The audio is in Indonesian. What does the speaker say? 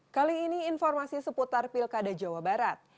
kali ini informasi seputar pilkada jawa barat